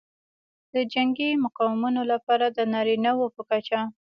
د جنګي مقامونو لپاره د نارینه وو په کچه